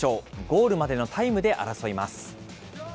ゴールまでのタイムで争います。